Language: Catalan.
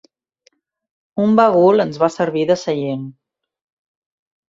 Un bagul ens va servir de seient.